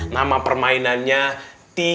nama permainannya tiga t